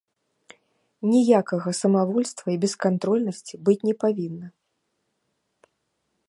Ніякага самавольства і бескантрольнасці быць не павінна.